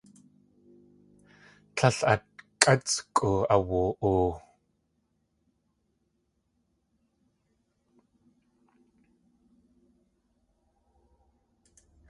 Tlél atkʼátskʼu awu.oo.